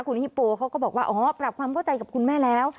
คุณฮิปโปเขาก็บอกว่าอ๋อปรับความเข้าใจกับคุณแม่แล้ว